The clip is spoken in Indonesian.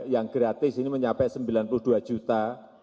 yang gratis ini mencapai sembilan puluh dua juta